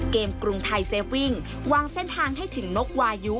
กรุงไทยเซฟวิ่งวางเส้นทางให้ถึงนกวายุ